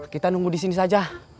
kita nunggu di sini saja